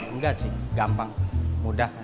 enggak sih gampang mudah